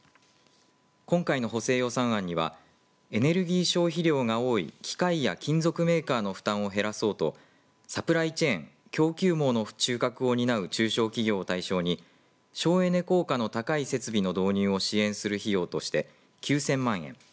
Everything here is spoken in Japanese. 今回の補正予算案にはエネルギー消費量が多い機械や金属メーカーの負担を減らそうとサプライチェーン、供給網の中核を担う中小企業を対象に省エネ効果の高い設備の導入を支援する費用として９０００万円。